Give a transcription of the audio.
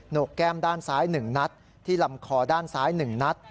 โนกแก้มด้านซ้ายหนึ่งนัดที่ลำคอด้านซ้ายหนึ่งนัด